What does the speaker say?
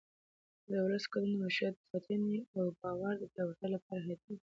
د ولس ګډون د مشروعیت د ساتنې او باور د پیاوړتیا لپاره حیاتي دی